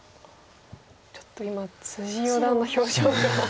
ちょっと今四段の表情が。